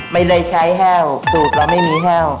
ไม่ได้ใช้แห้วสูตรเราไม่มีแห้ว